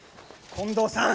近藤さん！